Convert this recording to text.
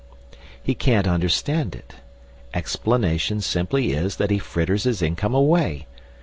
He can't understand it. Explanation simply is that he fritters his income away.